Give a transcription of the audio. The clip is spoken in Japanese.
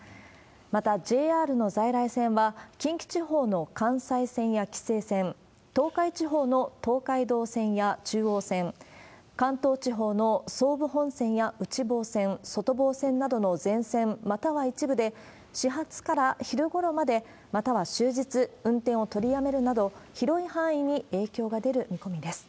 また、ＪＲの在来線は、近畿地方の関西線や紀勢線、東海地方の東海道線や中央線、関東地方の総武本線や内房線、外房線などの前線、または一部で、始発から昼ごろまで、または終日、運転を取りやめるなど、広い範囲に影響が出る見込みです。